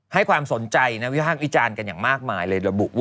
ให้ความสนใจวิธะวิจารณ์กันอย่างมากมายเลย